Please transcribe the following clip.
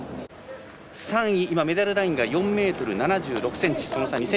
３位、メダルラインが４ｍ７６ｃｍ。